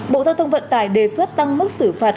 bộ giao thông vận tải đề xuất tăng mức xử phạt